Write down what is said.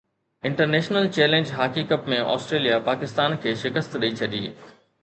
international challenge hockey cup ۾ Australia Pakistan کي شڪست ڏئي ڇڏي